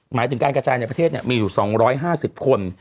หมายถึงการกระจายในประเทศมีอยู่๒๕๐คน